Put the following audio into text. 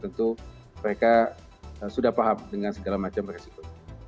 tentu mereka sudah paham dengan segala macam resiko